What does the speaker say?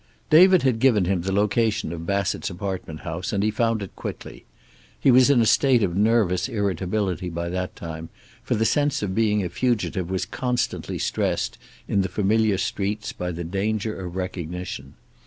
David had given him the location of Bassett's apartment house, and he found it quickly. He was in a state of nervous irritability by that time, for the sense of being a fugitive was constantly stressed in the familiar streets by the danger of recognition.